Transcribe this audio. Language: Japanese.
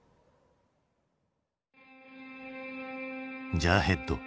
「ジャーヘッド」。